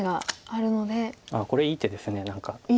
あっこれいい手です何か。